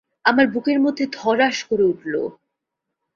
আমার বুকের মধ্যে ধড়াস করে উঠল।